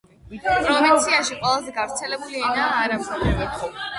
პროვინციაში ყველაზე გავრცელებული ენაა არაბული.